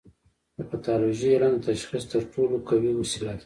د پیتالوژي علم د تشخیص تر ټولو قوي وسیله ده.